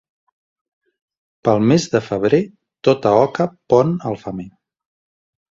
Pel mes de febrer tota oca pon al femer.